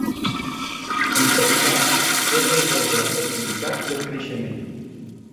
En tot cas, és el déu de la fertilitat i el creixement.